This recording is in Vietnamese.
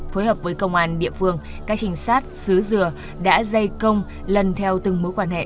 phối hợp với công an địa phương các trình sát xứ dừa đã dây công lần theo từng mối quan hệ